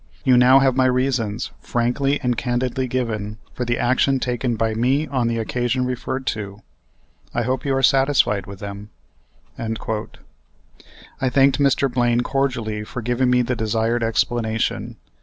You now have my reasons, frankly and candidly given, for the action taken by me on the occasion referred to. I hope you are satisfied with them." I thanked Mr. Blaine cordially for giving me the desired explanation.